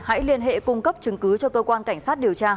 hãy liên hệ cung cấp chứng cứ cho cơ quan cảnh sát điều tra